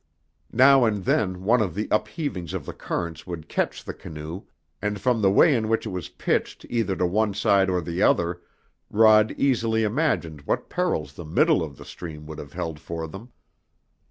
Now and then one of the upheavings of the currents would catch the canoe, and from the way in which it was pitched either to one side or the other Rod easily imagined what perils the middle of the stream would have held for them.